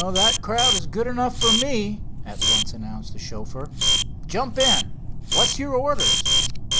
"That crowd is good enough for me," at once announced the chauffeur. "Jump in. What's your orders?"